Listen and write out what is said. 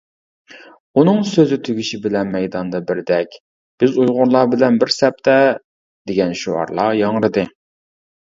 ئۇنىڭ سۆزى تۈگىشى بىلەن مەيداندا بىردەك > دېگەن شوئارلار ياڭرىدى.